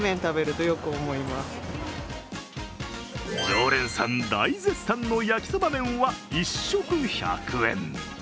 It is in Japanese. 常連さん大絶賛の焼きそば麺は、１食１００円。